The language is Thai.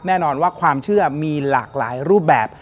แน่นอนว่าความเชื่อมีหลากหลายรูปแบบ